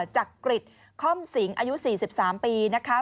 จักริดค่อมสิงอายุสี่สิบสามปีนะคะ